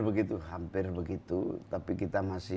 begitu hampir begitu tapi kita masih